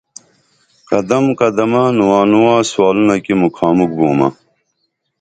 قدم قدمہ نواں نواں سوالونہ کی مُکھا مُکھ بومہ